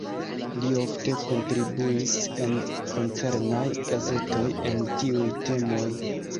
Li ofte kontribuis en koncernaj gazetoj en tiuj temoj.